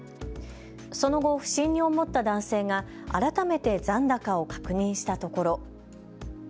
その後、不審に思った男性が改めて残高を確認したところ。